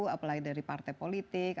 apalagi dari partai politik